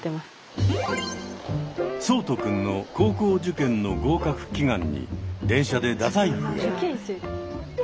聡人くんの高校受験の合格祈願に電車で太宰府へ。